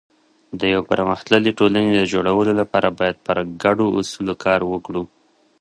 د یو پرمختللي ټولنې د جوړولو لپاره باید پر ګډو اصولو کار وکړو.